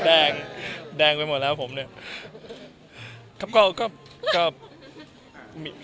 แดงแดงไปหมดแล้วผมเนี่ย